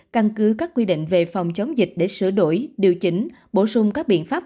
căn cứ các quy định về phòng chống dịch để sửa đổi điều chỉnh bổ sung các biện pháp